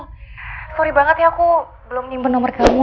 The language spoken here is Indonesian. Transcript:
sorry banget ya aku belum nyimpen nomor kamu